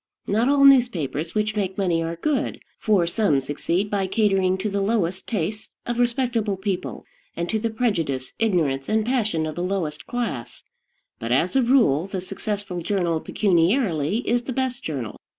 Not all newspapers which make money are good, for some succeed by catering to the lowest tastes of respectable people, and to the prejudice, ignorance, and passion of the lowest class; but, as a rule, the successful journal pecuniarily is the best journal.